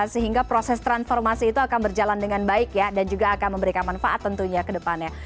sehingga proses transformasi itu akan berjalan dengan baik ya dan juga akan memberikan manfaat tentunya ke depannya